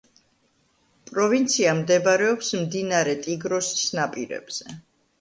პროვინცია მდებარეობს მდინარე ტიგროსის ნაპირებზე.